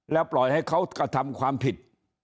แล้วปล่อยให้เขากระทำความผิด